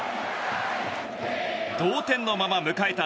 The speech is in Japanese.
同点のまま迎えた